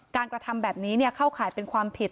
กระทำแบบนี้เข้าข่ายเป็นความผิด